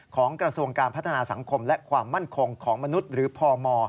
กระทรวงการพัฒนาสังคมและความมั่นคงของมนุษย์หรือพม